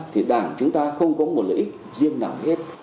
thì đảng chúng ta không có một lợi ích riêng nào hết